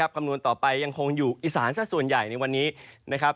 ขำนวณต่อไปยังยังคงอยู่อีสานสถาสุนใหญ่ในวันนี้